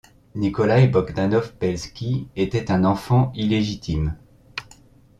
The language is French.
Nikolaï Bogdanov-Belski était un enfant illégitime.